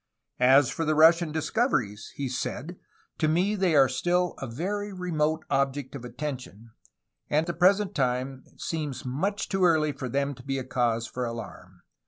"As for the Russian discoveries," he said, "to me they are still a very remote object of attention, and the present time seems much too early for them to be a cause for alarm.